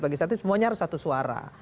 bagi saya itu semuanya harus satu suara